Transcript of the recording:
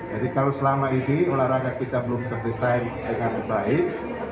jadi kalau selama ini olahraga kita belum terdesain dengan baik